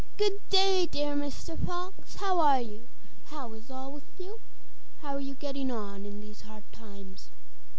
'Good day, dear Mr Fox, how are you? How is all with you? How are you getting on in these hard times?